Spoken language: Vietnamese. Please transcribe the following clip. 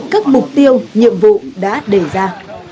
các mục tiêu nhiệm vụ đã đề ra